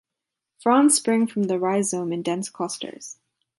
Fronds spring from the rhizome in dense clusters.